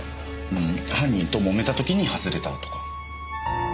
うーん犯人と揉めた時に外れたとか。